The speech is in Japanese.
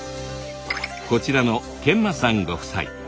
こちらの見満さんご夫妻。